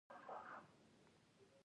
پر دې دنیا یې حوري نصیب سوې